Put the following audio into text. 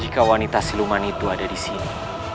jika wanita siluman itu ada disini